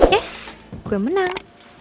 yes gue menang